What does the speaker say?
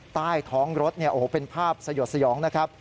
ใต้ท้องรถเป็นภาพสยดสยองนะครับ